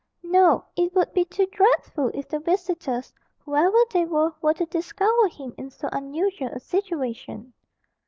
No, it would be too dreadful if the visitors, whoever they were, were to discover him in so unusual a situation.